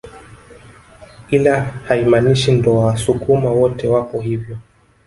Ila haimaanishi ndo wasukuma wote wapo hivyo